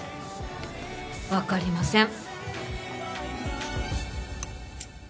分かりません。